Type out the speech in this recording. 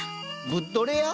ブッドレア？